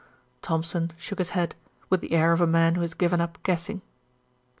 Thompson shook his head, with the air of a man who has given up guessing.